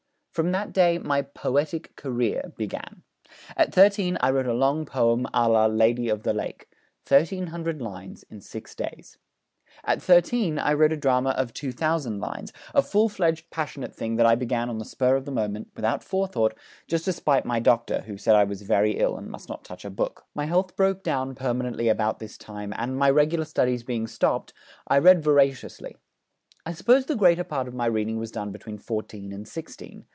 'From that day my "poetic career" began. At thirteen I wrote a long poem à la "Lady of the Lake" 1300 lines in six days. At thirteen I wrote a drama of 2000 lines, a full fledged passionate thing that I began on the spur of the moment, without forethought, just to spite my doctor, who said I was very ill and must not touch a book. My health broke down permanently about this time, and, my regular studies being stopped, I read voraciously. I suppose the greater part of my reading was done between fourteen and sixteen.